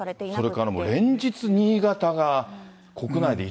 それから連日、新潟が国内で一番。